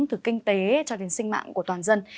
từ kinh tế cho đến sinh mạng của toàn dân